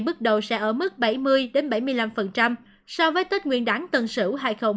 bước đầu sẽ ở mức bảy mươi bảy mươi năm so với tết nguyên đáng tân sửu hai nghìn hai mươi một